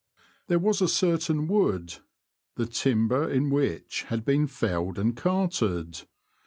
There was a certain wood, the timber in which had been felled and carted.